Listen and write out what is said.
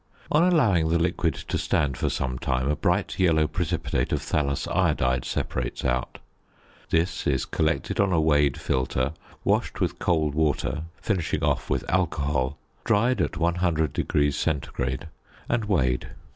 On allowing the liquid to stand for some time a bright yellow precipitate of thallous iodide separates out. This is collected on a weighed filter; washed with cold water, finishing off with alcohol; dried at 100° C., and weighed.